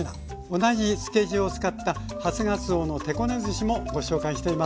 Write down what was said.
同じ漬け地を使った「初がつおの手こねずし」もご紹介しています。